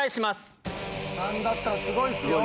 ３だったらすごいっすよ。